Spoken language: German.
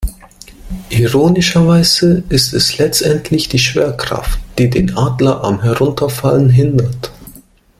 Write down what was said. Ironischerweise ist es letztendlich die Schwerkraft, die den Adler am Herunterfallen hindert.